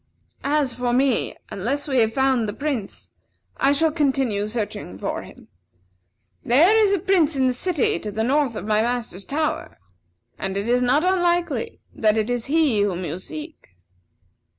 As for me, unless we have found the Prince, I shall continue searching for him. There is a prince in the city to the north of my master's tower, and it is not unlikely that it is he whom you seek."